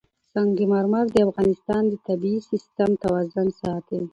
سنگ مرمر د افغانستان د طبعي سیسټم توازن ساتي.